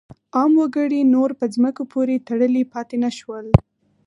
عام وګړي نور په ځمکو پورې تړلي پاتې نه شول.